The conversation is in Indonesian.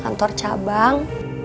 buka kantor cabang